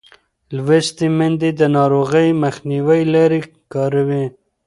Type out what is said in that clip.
لوستې میندې د ناروغۍ مخنیوي لارې کاروي.